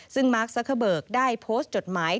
ซึ่งมาร์คซักเกอร์เบิร์กได้โพสต์จดหมาย